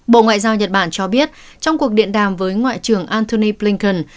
bộ ngoại giao nhật bản cho biết trong cuộc điện đàm với ngoại trưởng anthony blinken